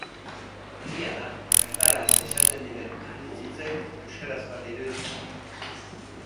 Egia da erdaraz esaten diren anitz hitzek euskarazkoak diruditela.